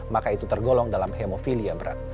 maka itu tergolong dalam hemofilia berat